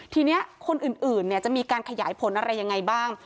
ทีนี้คนอื่นจะมีการขยายผลอะไรยังไงบ้าง